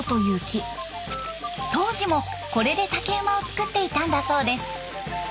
当時もこれで竹馬を作っていたんだそうです。